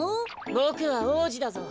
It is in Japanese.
ボクは王子だぞ。